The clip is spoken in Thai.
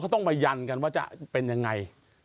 เขาต้องมายันกันว่าจะเป็นอย่างไร